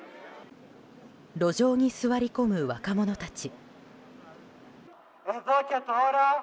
路上に座り込む若者たち。